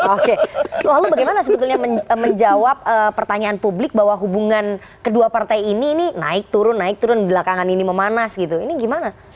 oke lalu bagaimana sebetulnya menjawab pertanyaan publik bahwa hubungan kedua partai ini ini naik turun naik turun belakangan ini memanas gitu ini gimana